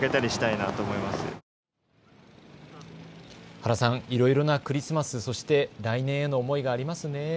原さん、いろいろなクリスマス、そして来年への思いがありますね。